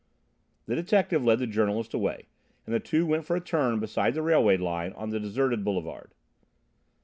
The detective led the journalist away, and the two went for a turn beside the railway line on the deserted boulevard.